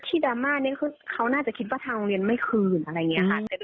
ดราม่านี้คือเขาน่าจะคิดว่าทางโรงเรียนไม่คืนอะไรอย่างนี้ค่ะ